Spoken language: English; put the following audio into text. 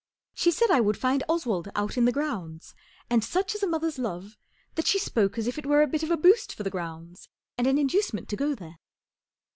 She said I would find Oswald out in the grounds, and such is a mother's love that she spoke as if that were a bit of a boost for the grounds and an inducement to go there.